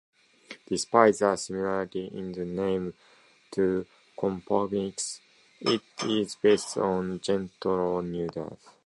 Despite the similarity in name to Knoppix, it is based on Gentoo Linux.